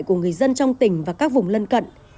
của người dân trong tỉnh và các vùng lân cận